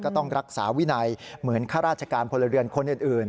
ก็ต้องรักษาวินัยเหมือนข้าราชการพลเรือนคนอื่น